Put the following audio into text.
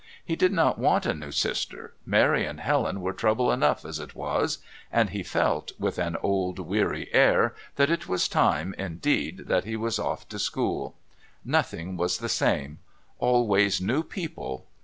He did not want a new sister Mary and Helen were trouble enough as it was and he felt, with an old weary air, that it was time, indeed, that he was off to school. Nothing was the same. Always new people.